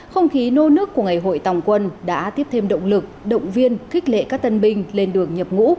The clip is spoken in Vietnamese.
không khí nô nước của ngày hội tòng quân đã tiếp thêm động lực động viên khích lệ các tân binh lên đường nhập ngũ